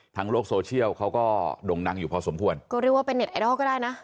โลกโซเชียลเขาก็ด่งดังอยู่พอสมควรก็เรียกว่าเป็นเน็ตไอดอลก็ได้นะ